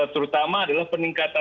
terutama adalah peningkatan